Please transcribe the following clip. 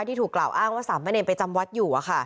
ที่ถูกกล่าวอ้างว่าสามแม่เนญไปจำวัดอยู่